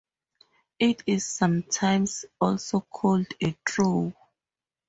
It is sometimes also called a "throw".